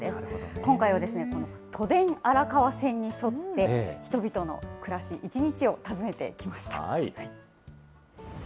今回は都電荒川線に沿って、人々の暮らし、１日を訪ねてきました。